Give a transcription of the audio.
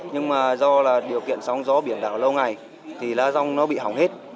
nhưng mà do là điều kiện sóng gió biển đảo lâu ngày thì lá rong nó bị hỏng hết